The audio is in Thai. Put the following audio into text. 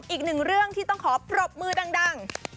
อีกหนึ่งเรื่องที่ต้องขอปรบมือดัง